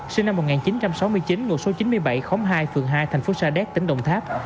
sinh năm một nghìn chín trăm sáu mươi chín ngụ số chín mươi bảy khóm hai phường hai thành phố sa đéc tỉnh đồng tháp